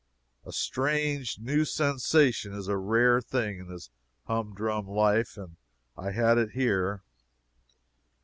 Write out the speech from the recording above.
A strange, new sensation is a rare thing in this hum drum life, and I had it here.